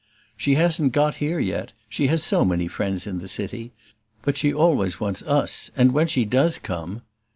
"She hasn't got here yet she has so many friends in the city. But she always wants US, and when she does come